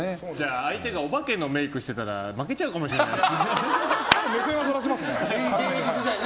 相手がお化けのメイクしてたら負けちゃうかもしれないですね。